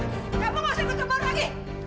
kamu gak usah ikut tempur lagi